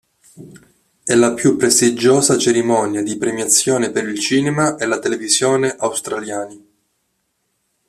È la più prestigiosa cerimonia di premiazione per il cinema e la televisione australiani.